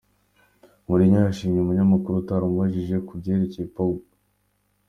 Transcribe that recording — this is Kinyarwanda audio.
Mourinho yashimiye uyu munyamakuru utaramubajije ku byerekeye Pogba.